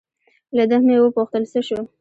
له ده مې و پوښتل: څه شو؟